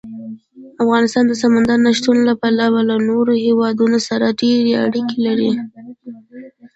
افغانستان د سمندر نه شتون له پلوه له نورو هېوادونو سره ډېرې اړیکې لري.